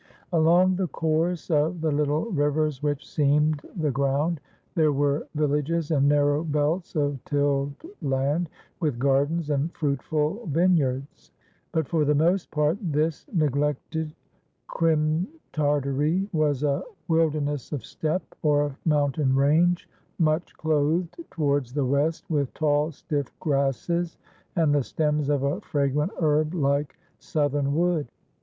"Along the course of the little rivers which seamed the ground, there were villages and narrow belts of tilled land, with gardens and fruitful vineyards; but for the most part this neglected Crim Tartary was a wilderness of steppe or of mountain range, much clothed towards the west with tall stiff grasses, and the stems of a fragrant herb like southernwood.